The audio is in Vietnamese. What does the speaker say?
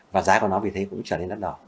và giá của nó vì thế cũng trở nên đắt đỏ